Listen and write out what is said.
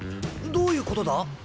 どういうことだ？